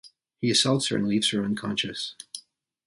He assaults her and leaves her unconscious.